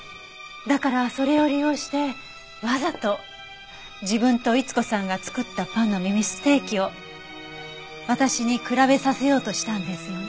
だからそれを利用してわざと自分と逸子さんが作ったパンの耳ステーキを私に比べさせようとしたんですよね。